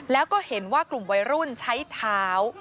แล้วก็เห็นว่ากลุ่มวัยรุ่นใช้เท้า